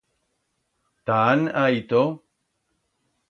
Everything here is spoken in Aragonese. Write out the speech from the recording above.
Ta án ha ito?